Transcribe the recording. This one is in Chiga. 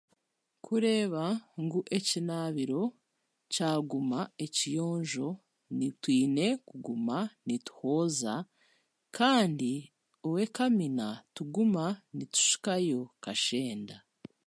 Kureeba ngu ekinaabiro kyaguma ekiyonjo, twine kuguma nituhooza kandi ow'ekamina nituguma nitushukayo kashenda